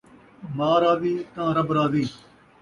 ماء راضی تاں رب راضی